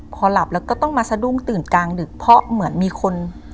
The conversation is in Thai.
พอหลับแล้วก็ต้องมาสะดุ้งตื่นกลางดึกเพราะเหมือนมีคน